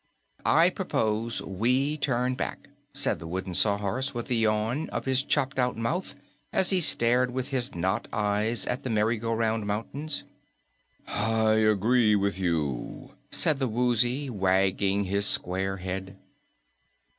"I propose we turn back," said the Wooden Sawhorse with a yawn of his chopped out mouth as he stared with his knot eyes at the Merry Go Round Mountains. "I agree with you," said the Woozy, wagging his square head.